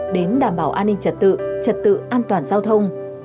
đến đảm bảo an ninh trật tự trật tự an toàn giao thông